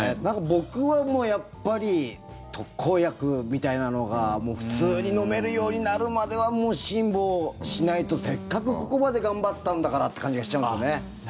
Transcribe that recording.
僕はやっぱり特効薬みたいなのが普通に飲めるようになるまでは辛抱しないとせっかくここまで頑張ったんだからという感じがしちゃうんですよね。